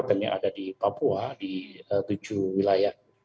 ini adalah tujuh wilayah